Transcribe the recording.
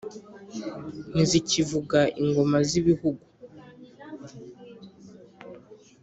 ntizikivuga ingoma z'ibihugu